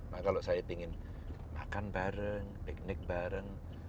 maka kalau saya ingin makan bareng piknik bareng